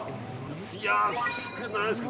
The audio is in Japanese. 安くないですか？